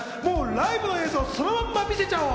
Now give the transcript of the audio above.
ライブの映像そのまま見せちゃおう。